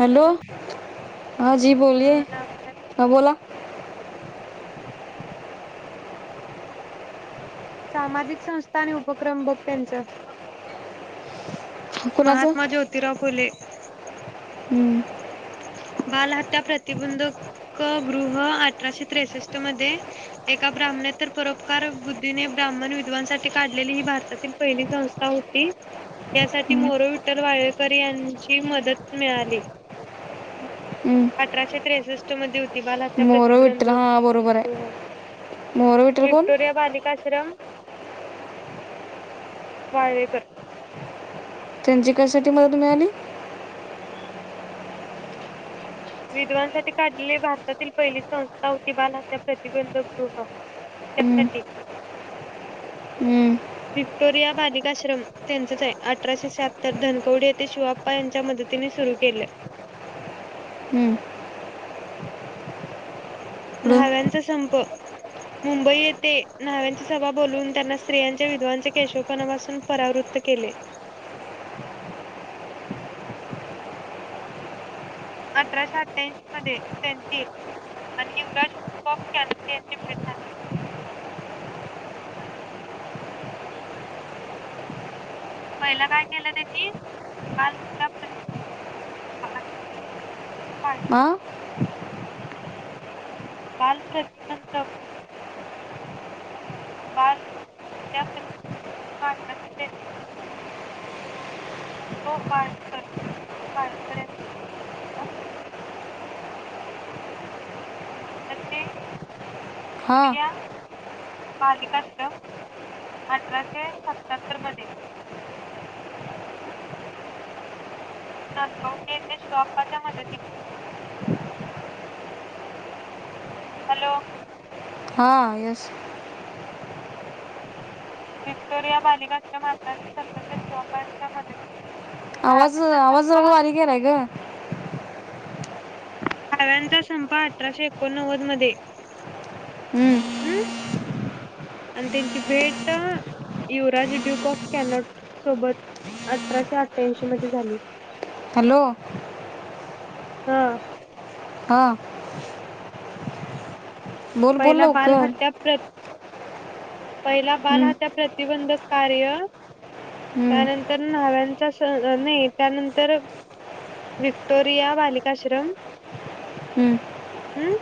Hello हां जी बोलिए हा लाभला हं बोला. सामाजिक संस्था आणि उपक्रम बघ त्यांचा ह कोणाचं ज्योतिराव फुले हं. बालहत्या प्रतिबंधक गृह अठराशे त्रेसष्ट मध्ये एका ब्राह्मणेेतररोपकार बुद्धीने ब्राह्मण विद्वांसाठी काढलेली ही भारतातील पहिली संस्था होती. यासाठी मोरो विठल वाळेकर यांची मदत मिळाली. हम्म. अठराशे त्रेसष्ट. बाल हत्या मोहरा विठ्ठल हा बरोबर प्रतिबंधक आहे मोहरा विठ्ठल कोण विक्टोरिया बालिक आश्रम वाळवे करत. त्यांची कशासाठी मदत मिळाली. विधवांसाठी काढलेली भारतातील पहिली संस्था होती बालहत्या प्रतिबंधक गृह हम्म. त्यासाठी हम्म. विक्टोरया बालिकाश्रम त्यांचच आहे अठराशे शहत्तर धनकवडी येथे शिवाप्पा यांच्या मदतीने सुरु केलं. हम्म. पुढं न्हाव्यांचा संप मुंबई येथे नाव्यांची सभा बोलून त्यांना स्त्रियांच्या विधवांच्या केशवपणापासून परावृत त केले. [unintelligible] अठराशे अठ्याऐंशी मध्ये त्यांची आणि युवराज बॉन यांची भेट झाली. पहिलं काय केलं त्यांनी बाल प्रती [unintelligible] हां. बाल प्रतिबंधक बाल त्यासाठी [unintelligible] [unintelligible] यांचा तथे हा प्रिया बालिकाश्रम अठराशे सत्याहत्तर मध्ये नांदगवडी येेते श्टॉपाच्या मदतीने हॅलो. हा येस. विक्टोरिया बालिका मारतःच्या शेवा का? आवाज आवाज र वारी केलाय ग. न्हाव्यांचा संपा अठराशे एकोणनव्वद मध्ये हम्म. हम्. आणि त्यांची भेट युवराज ड्यूक ऑफ कॅनट सोबत अठराशे अठ्ठ्यांशी मध्ये झाली. हॅलो. हा. हा. बोल बोल पहिला बाल लवकर हत्या. पहिला बाल हम्म, हत्या प्रतिबंधक कार्य. हम्म, त्यानंतर न्हाव्यांचा नाही त्यानंतर विक्टोरिया बालिकाश्रम हम्म. हम्म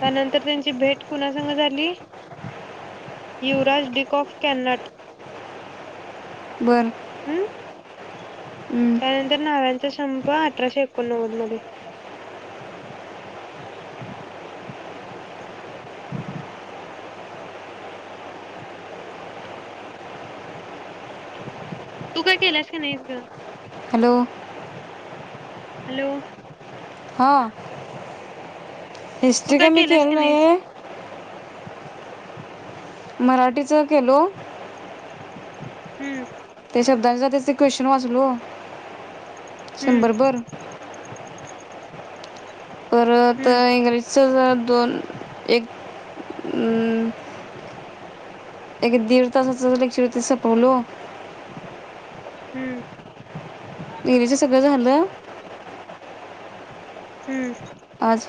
त्यानंतर त्यांची भेट कुणासंग झाली. युराज डीक ऑफ कॅनट बर. हम् हम्म. त्यानंतर नाव्यांचा संप अठराशे एकोणनव्वद मध्ये तू का केलास का नाहीस ग. हॅलो! हॅलो! हां तू हिस्ट्री का काय मी केलास केलं नाही नाहीस आहे. मराठीचा केलो. हम्म. त्या शब्दांचा त्याचे क्वेशचन वाचलो हम्म शंभरभर परत हम्म इंग्रजीचं जर दोन एक एक दीड तसा एक चतीस पलो हम्म. मेरीचं सगळं झालं. [inaudible] हम्म आज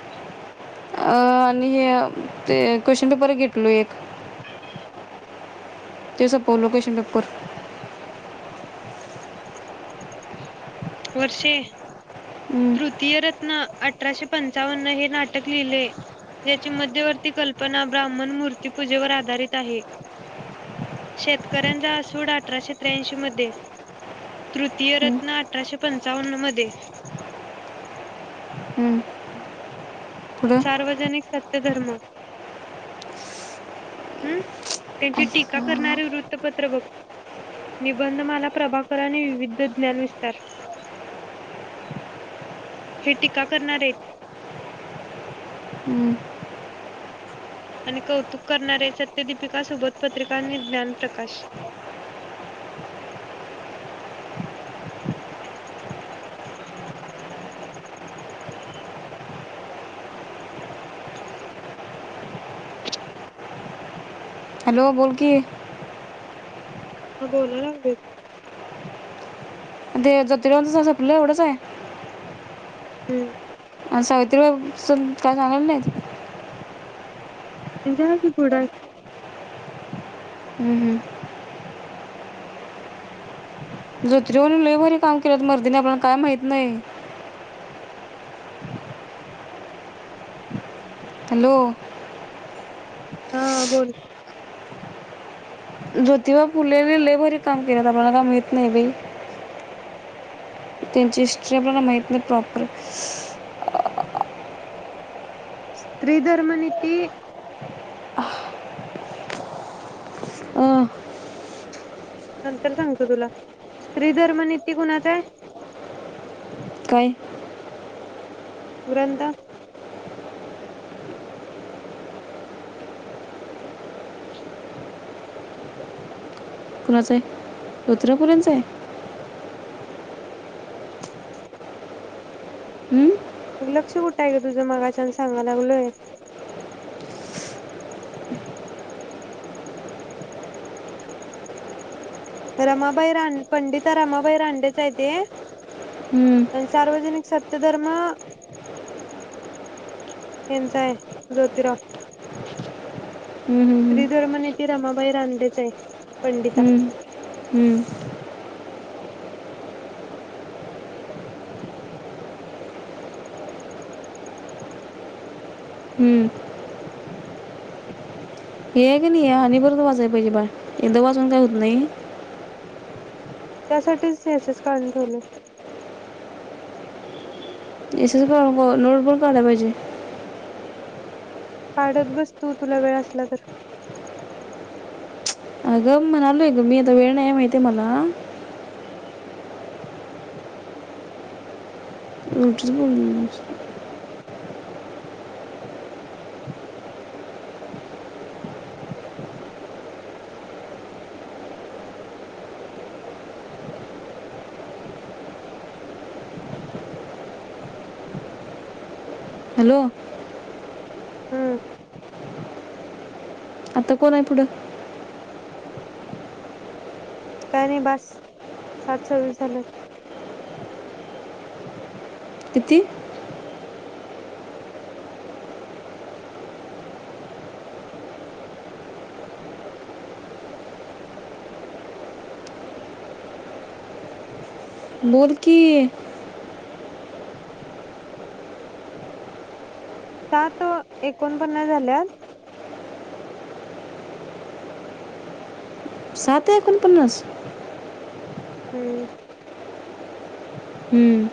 अ आणि हे ते क्वेशन पेपर घेतलो एक ते सपो लोकेशनपूर. वर्षे हम्म, तृतीय रत्न अठराशे पंचावन्न हे नाटक लिहिले. याची मध्यवर्ती कल्पना ब्राह्मण मूर्तीपूजेवर आधारित आहे. शेतकऱ्यांचा आसूड अठराशे त्याशी.. तृतीय हम्म, रत्न अठराशे पंचावन्न मध्ये हम्म. पुढं सार्वजनिक सत्य धर्म. हम्म त्यांची टीका करणारे वृत्तपत्र बघ. निबंध माला प्रभाकर आणि विविध ज्ञान विस्तार. हे टीका करणार आहेत. हम्म. आणि कौतुक करणारे सत्यदीपिका सोबत पत्रिका आणि ज्ञान प्रकाश [inaudible] हॅलो बोलकी. ह बोलाय लागल. ते जत राहं आपलं एवढंच आहे. हम्म. सावित्रीबाब काय सांगलं नाहीत. ज कि पुुडा. हम्म हम्म. जोत्रीेवरून ललेबर हे काम केलंत मर्दीिने आपल्याला काय माहत नाही. हॅलो! हा बोल. ज्योतिबा फुले लय भारी काम केलेत बाई ती मला काय माहित नाही बाई. त्यांची हिस्ट्री आपल्याला माहित नाही प्रॉपर स्त्री धर्मनिती. अ नंतर सांगतो तुला स्त्रीधर्म निती कुणाचा आहे. काय? ग्रंथ. कुणाचं आहे? स्त्रोत्र कुणाच आहे? हम्म. लक्ष कुठं आहे काग तुझं मगाच्यान सांगाय लागलोय. रमाबाई रान पंडित रमाबाई रांडेच आहे ते. हम्म. अन सार्वजनिक सत्यधर्म ह्यांच आहे ज्योतिराव. हम्म, हम्म, श्रीधर्मनीती रमाबाई रानडे पंडिता. हम्म. हम्म. हम्म. हे का नाही आणि परत वाचाय पाहिज बा एकदा वाचून काय होत नाही. त्यासाठीच यस, यस काढून ठवले. येसेच काय नोट पण कढल्या पाहिजे. काढत बस तू तुला वेळ असला तर. अग म्हणालोय ग मी आता वेळ नाही माहितीे आहे मला. उठच बोल हॅलो. हम्म. आता कोण आहे पुढं? काय नाही बास सात सव्वीस झालत. किती? बोल की. सात एकोणपन्नास झाल्यात. सात एकोणपन्नास. हम्म... हम्म..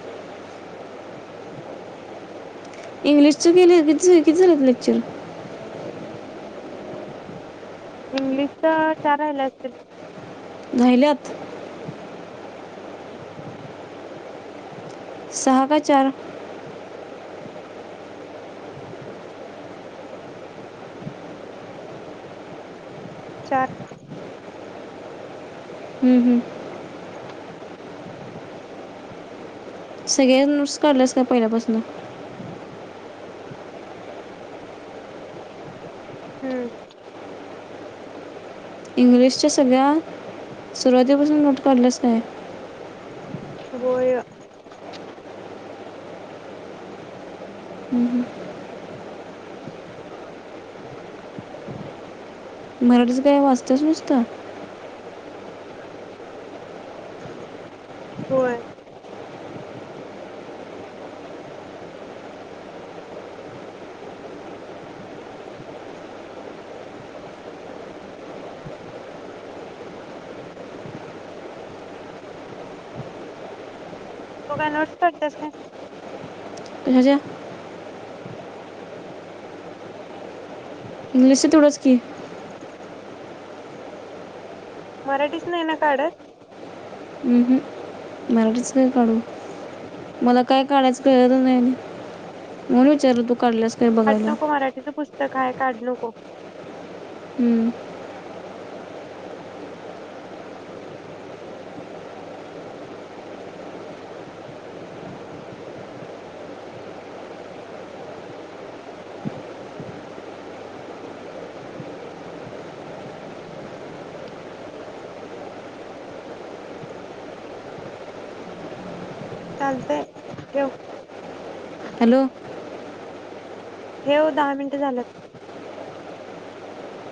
इंग्लिशचं केले किती, किती झालेत लेक्चर? इंग्लिश चार राहिला असतील. राहिल्यात? सहा का चार? चार. हम्म, हम्म. सगळे नोट्स काढल्यास का पहिल्या पासन? हम्म. इंग्लिशच्या सगळ्या सुरुवातीपासून नोट्स काढल्याच काय? होय. [unintelligible] मराठीच काय वाचतेस नुसतं? होय. तु काय नोट्स पडतेस काय? ह्या ज्या हम्... [unintelligible] इंग्लिशच तेवढच की. मराठीच नाही ना काढत? हम्म, हुं मराठीच काय काढू मला काय काढायचं? कळतच नाही म्हणून विचारल तू कढलस. काढु नको मराठीचं पुस्तक आहे काढु नको. हम्म.. ह. [unintelligible] चालतय ठेव. हॅलो. ठेव दहा मिनिट झाल्यात..